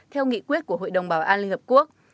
theo nghị quyết của hội đồng bảo an liên hợp quốc